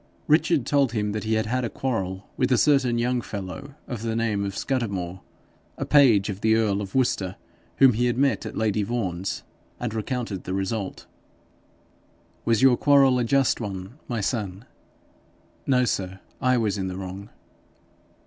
Richard told him that he had had a quarrel with a certain young fellow of the name of Scudamore, a page of the earl of Worcester, whom he had met at lady Vaughan's: and recounted the result. 'Was your quarrel a just one, my son?' 'No sir. I was in the wrong.'